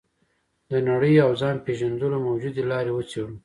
د نړۍ او ځان پېژندلو موجودې لارې وڅېړو.